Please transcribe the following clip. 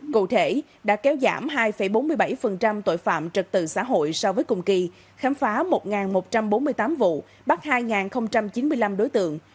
cụ thể đã kéo giảm hai bốn mươi bảy tội phạm trật tự xã hội so với cùng kỳ khám phá một một trăm bốn mươi tám vụ bắt hai chín mươi năm đối tượng